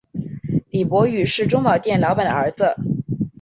李弼雨是钟表店老板的儿子。